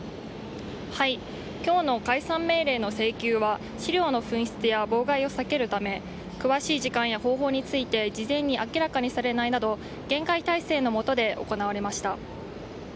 今日の解散命令の請求は資料の紛失や妨害を避けるため詳しい時間や方法について事前に明らかにされないなど厳戒態勢の下で行われました。